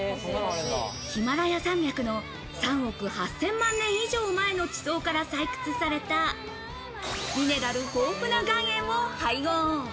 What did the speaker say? ヒマラヤ山脈の３億８０００万年以上前の地層から採掘されたミネラル豊富な岩塩を配合。